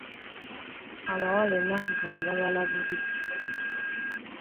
Abawala ennaku zino bambala bubi.